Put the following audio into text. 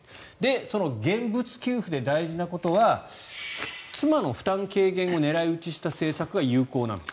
その現物給付で大事なことは妻の負担軽減を狙い撃ちした政策が有効なんだと。